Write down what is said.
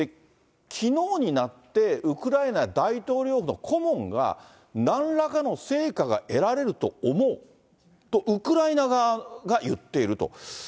きのうになって、ウクライナ大統領府の顧問が、なんらかの成果が得られると思うと、ウクライナ側がいっていると。